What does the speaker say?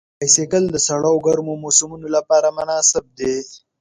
بایسکل د سړو او ګرمو موسمونو لپاره مناسب دی.